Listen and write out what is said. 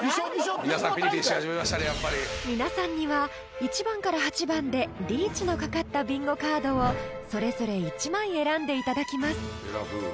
［皆さんには１番から８番でリーチのかかったビンゴカードをそれぞれ１枚選んでいただきます］